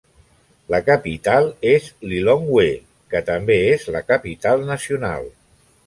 La capital és Lilongwe, que també és la capital nacional.